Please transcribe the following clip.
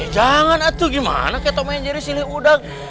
jangan atuh gimana ketok main jari sili udang